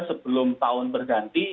sebelum tahun berganti